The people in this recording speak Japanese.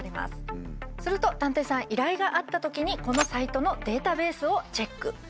すると探偵さん依頼があったときにこのサイトのデータベースをチェック。